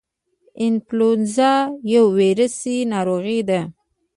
انفلونزا یو ویروسي ناروغي ده